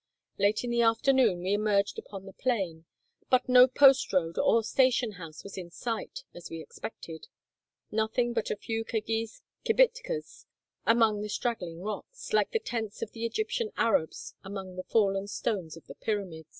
Late in the afternoon we emerged upon the plain, but no post road or station house was in sight, as we expected; nothing but a few Kirghiz kibitkas among the straggling rocks, like the tents of the Egyptian Arabs among the fallen stones of the pyramids.